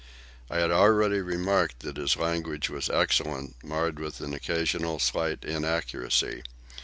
I had already remarked that his language was excellent, marred with an occasional slight inaccuracy.